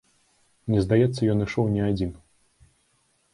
Мне здаецца, ён ішоў не адзін.